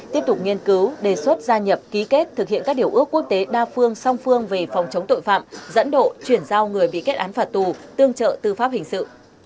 tiếp tục nghiên cứu đề xuất gia nhập ký kết thực hiện các điều ước quốc tế đa phương song phương về phòng chống tội phạm dẫn độ chuyển giao người bị kết án phạt tù tương trợ tư pháp hình sự